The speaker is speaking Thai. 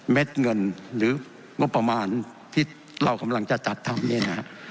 เงินหรืองบประมาณที่เรากำลังจะจัดทำเนี่ยนะฮะ